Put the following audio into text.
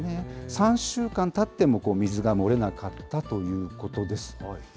３週間たっても水が漏れなかったということです。